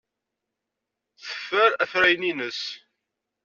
Teffer afrayen-nnes.